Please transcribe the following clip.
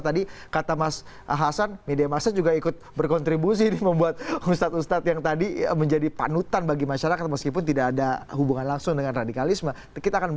tadi kata mas hasan media massa juga ikut berkontribusi membuat ustadz ustadz yang tadi menjadi panutan bagi masyarakat